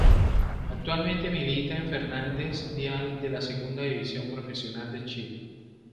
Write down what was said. Actualmente milita en Fernández Vial de la Segunda División Profesional de Chile.